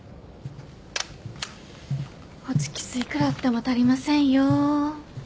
ホチキスいくらあっても足りませんよ。